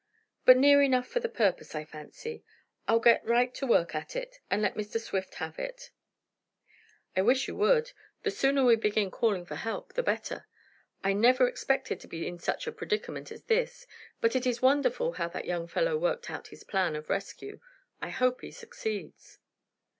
But near enough for the purpose, I fancy. I'll get right to work at it, and let Mr. Swift have it." "I wish you would. The sooner we begin calling for help the better. I never expected to be in such a predicament as this, but it is wonderful how that young fellow worked out his plan of rescue. I hope he succeeds."